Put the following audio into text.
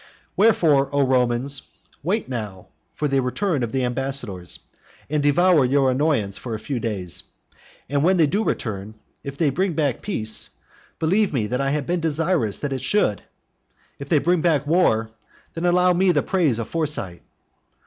Wherefore, O Romans, wait now for the return of the ambassadors, and devour your annoyance for a few days. And when they do return, if they bring back peace, believe me that I have been desirous that they should, if they bring back war, then allow me the praise of foresight.